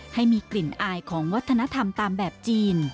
ให้มีกลิ่นอายของวัฒนธรรมตามแบบจีน